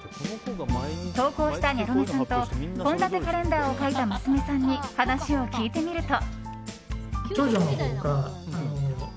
投稿したニャロメさんと献立カレンダーを書いた娘さんに話を聞いてみると。